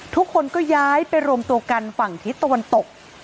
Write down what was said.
ทุกคนก็ย้ายไปรวมตัวกันฝั่งทิศตะวันตก